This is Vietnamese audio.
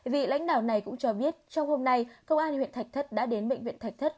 vị lãnh đạo này cũng cho biết trong hôm nay công an huyện thạch thất đã đến bệnh viện thạch thất